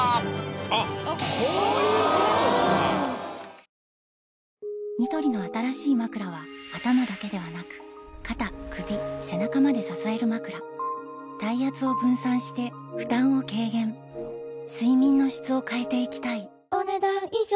あっニトリの新しいまくらは頭だけではなく肩・首・背中まで支えるまくら体圧を分散して負担を軽減睡眠の質を変えていきたいお、ねだん以上。